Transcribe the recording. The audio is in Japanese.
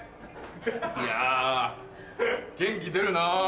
いや元気出るな。